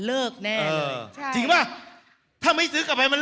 ที่จะเป็นความสุขของชาวบ้าน